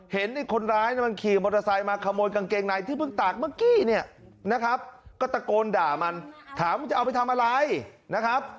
เห็นไอ้คนร้ายมันขี่มอเตอร์ไซค์มาขโมยกางเกงในที่เพิ่งตากเมื่อกี้เนี่ยนะครับก็ตะโกนด่ามันถามว่าจะเอาไปทำอะไรนะครับ